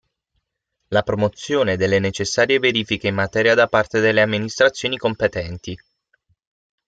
La promozione delle necessarie verifiche in materia da parte delle amministrazioni competenti.